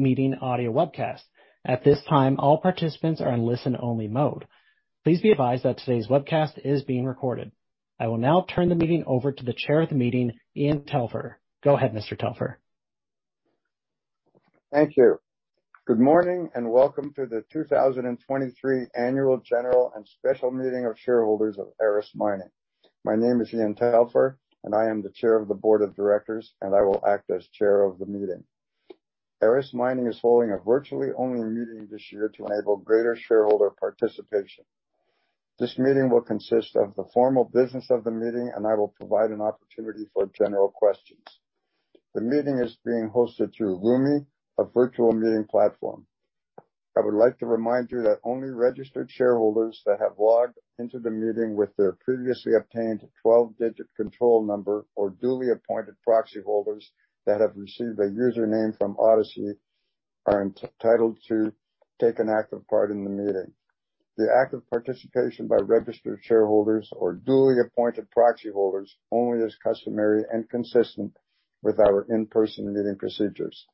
Meeting audio webcast. At this time, all participants are in listen-only mode. Please be advised that today's webcast is being recorded. I will now turn the meeting over to the Chair of the meeting, Ian Telfer. Go ahead, Mr. Telfer. Thank you. Good morning, welcome to the 2023 annual general and special meeting of shareholders of Aris Mining. My name is Ian Telfer, I am the Chair of the Board of Directors, I will act as Chair of the meeting. Aris Mining is holding a virtually only meeting this year to enable greater shareholder participation. This meeting will consist of the formal business of the meeting, I will provide an opportunity for general questions. The meeting is being hosted through Lumi, a virtual meeting platform. I would like to remind you that only registered shareholders that have logged into the meeting with their previously obtained 12-digit control number or duly appointed proxy holders that have received a username from Odyssey are entitled to take an active part in the meeting. The active participation by registered shareholders or duly appointed proxy holders only is customary and consistent with our in-person meeting procedures.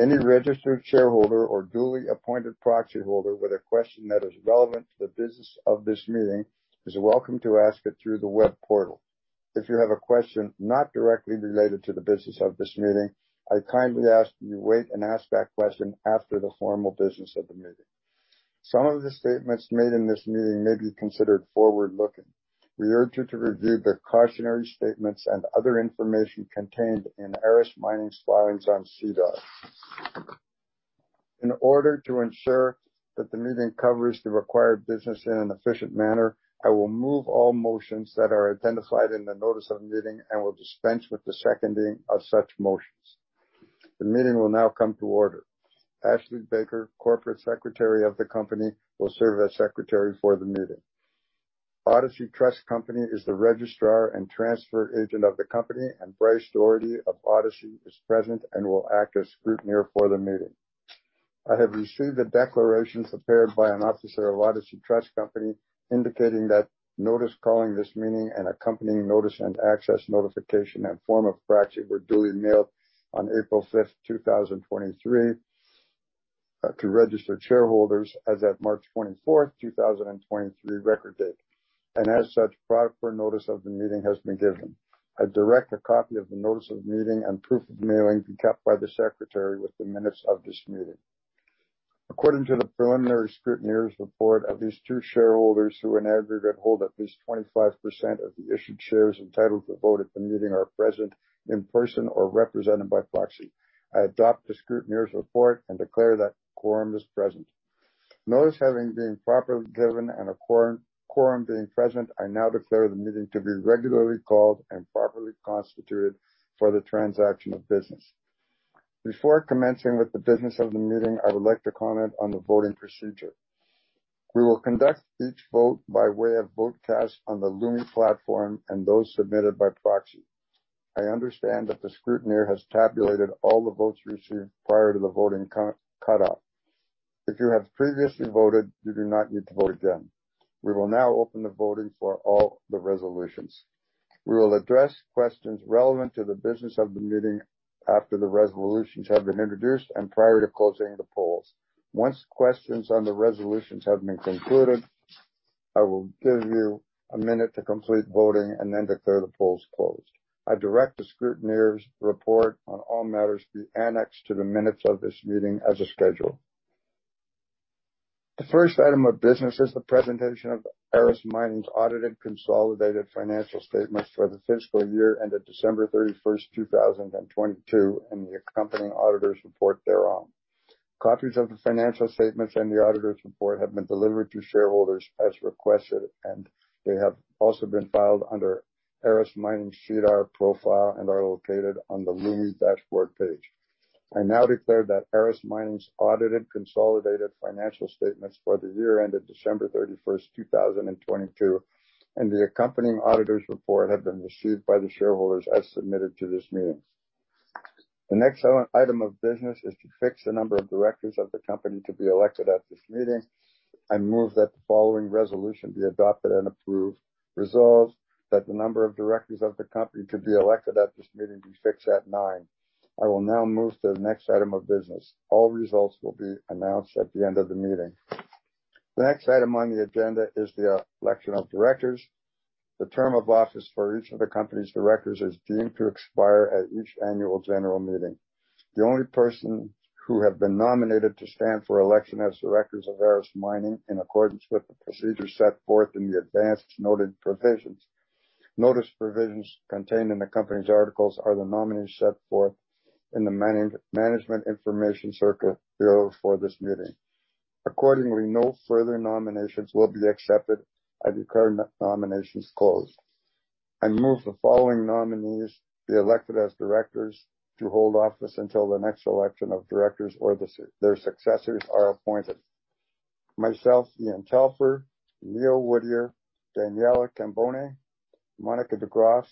Any registered shareholder or duly appointed proxy holder with a question that is relevant to the business of this meeting is welcome to ask it through the web portal. If you have a question not directly related to the business of this meeting, I kindly ask that you wait and ask that question after the formal business of the meeting. Some of the statements made in this meeting may be considered forward-looking. We urge you to review the cautionary statements and other information contained in Aris Mining's filings on SEDAR. In order to ensure that the meeting covers the required business in an efficient manner, I will move all motions that are identified in the notice of the meeting and will dispense with the seconding of such motions. The meeting will now come to order. Ashley Baker, Corporate Secretary of the company, will serve as secretary for the meeting. Odyssey Trust Company is the registrar and transfer agent of the company, and Brett Doherty of Odyssey is present and will act as scrutineer for the meeting. I have received a declaration prepared by an officer of Odyssey Trust Company indicating that notice calling this meeting and accompanying notice and access notification and form of proxy were duly mailed on April 6, 2023 to register shareholders as of March 24, 2023 record date. As such, proper notice of the meeting has been given. A direct copy of the notice of meeting and proof of mailing be kept by the secretary with the minutes of this meeting. According to the preliminary scrutineer's report, at least two shareholders who in aggregate hold at least 25% of the issued shares entitled to vote at the meeting are present in person or represented by proxy. I adopt the scrutineer's report and declare that quorum is present. Notice having been properly given and a quorum being present, I now declare the meeting to be regularly called and properly constituted for the transaction of business. Before commencing with the business of the meeting, I would like to comment on the voting procedure. We will conduct each vote by way of vote cast on the Lumi platform and those submitted by proxy. I understand that the scrutineer has tabulated all the votes received prior to the voting count cutoff. If you have previously voted, you do not need to vote again. We will now open the voting for all the resolutions. We will address questions relevant to the business of the meeting after the resolutions have been introduced and prior to closing the polls. Once questions on the resolutions have been concluded, I will give you a minute to complete voting and then declare the polls closed. I direct the scrutineer's report on all matters to be annexed to the minutes of this meeting as a schedule. The first item of business is the presentation of Aris Mining's audited consolidated financial statements for the fiscal year ended December 31st, 2022, and the accompanying auditor's report thereon. Copies of the financial statements and the auditor's report have been delivered to shareholders as requested, and they have also been filed under Aris Mining's SEDAR profile and are located on the Lumi dashboard page. I now declare that Aris Mining's audited consolidated financial statements for the year ended December 31st, 2022, and the accompanying auditor's report have been received by the shareholders as submitted to this meeting. The next item of business is to fix the number of directors of the company to be elected at this meeting. I move that the following resolution be adopted and approved. Resolved that the number of directors of the company to be elected at this meeting be fixed at nine. I will now move to the next item of business. All results will be announced at the end of the meeting. The next item on the agenda is the election of directors. The term of office for each of the company's directors is deemed to expire at each annual general meeting. The only person who have been nominated to stand for election as directors of Aris Mining, in accordance with the procedures set forth in the advanced noted provisions notice provisions contained in the company's articles, are the nominees set forth in the management information circular for this meeting. Accordingly, no further nominations will be accepted. I declare nominations closed. I move the following nominees be elected as directors to hold office until the next election of directors or their successors are appointed. Myself, Ian Telfer, Neil Woodyer, Daniela Cambone, Mónica de Greiff,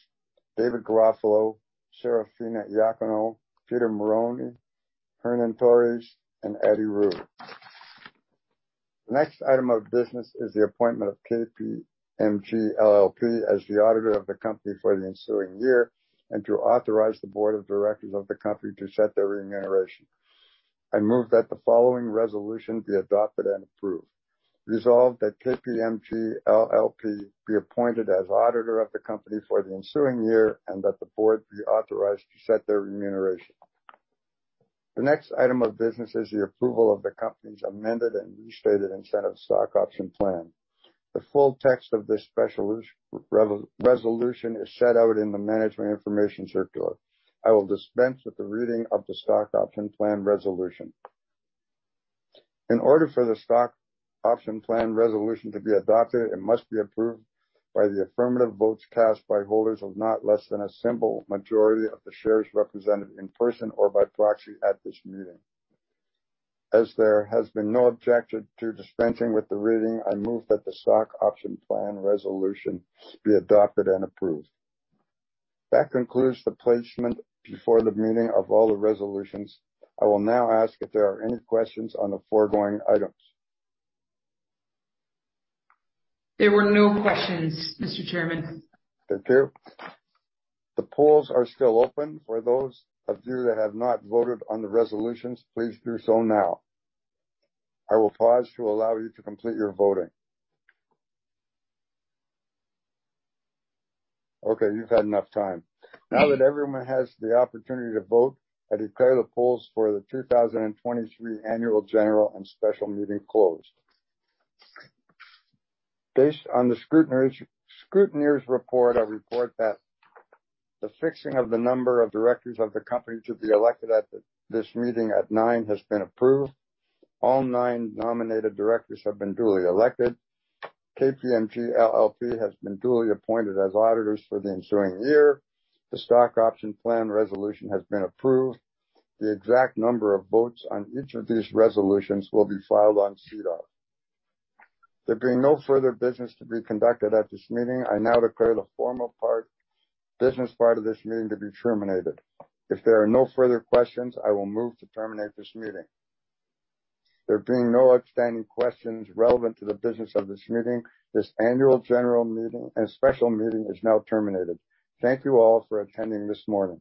David Garofalo, Serafino Iacono, Peter Marrone, Hernan Torres, and Attie Roux. The next item of business is the appointment of KPMG LLP as the auditor of the company for the ensuing year, and to authorize the board of directors of the company to set their remuneration. I move that the following resolution be adopted and approved. Resolved that KPMG LLP be appointed as auditor of the company for the ensuing year, and that the board be authorized to set their remuneration. The next item of business is the approval of the company's amended and reinstated incentive stock option plan. The full text of this special resolution is set out in the management information circular. I will dispense with the reading of the stock option plan resolution. In order for the stock option plan resolution to be adopted, it must be approved by the affirmative votes cast by holders of not less than a simple majority of the shares represented in person or by proxy at this meeting. As there has been no objection to dispensing with the reading, I move that the stock option plan resolution be adopted and approved. That concludes the placement before the meeting of all the resolutions. I will now ask if there are any questions on the foregoing items. There were no questions, Mr. Chairman. Thank you. The polls are still open. For those of you that have not voted on the resolutions, please do so now. I will pause to allow you to complete your voting. Okay, you've had enough time. Now that everyone has the opportunity to vote, I declare the polls for the 2023 annual general and special meeting closed. Based on the scrutineer's report, I report that the fixing of the number of directors of the company to be elected at this meeting at 9 has been approved. All 9 nominated directors have been duly elected. KPMG LLP has been duly appointed as auditors for the ensuing year. The stock option plan resolution has been approved. The exact number of votes on each of these resolutions will be filed on SEDAR. There being no further business to be conducted at this meeting, I now declare the formal part, business part of this meeting to be terminated. If there are no further questions, I will move to terminate this meeting. There being no outstanding questions relevant to the business of this meeting, this annual general meeting and special meeting is now terminated. Thank you all for attending this morning.